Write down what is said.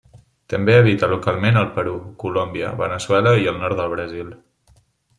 També habita localment al Perú, Colòmbia, Veneçuela i el nord del Brasil.